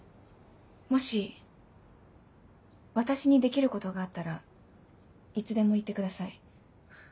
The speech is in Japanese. もし私にできることがあったらいつでも言ってください。